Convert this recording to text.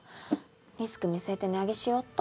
リスク見据えて値上げしようっと。